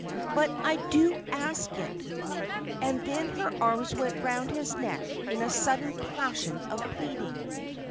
"But I do ask it." And then her arms went round his neck in a sudden passion of pleading.